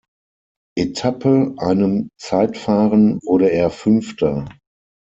Etappe, einem Zeitfahren, wurde er Fünfter.